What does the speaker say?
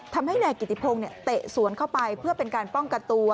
ทำให้นายกิติพงศ์เตะสวนเข้าไปเพื่อเป็นการป้องกันตัว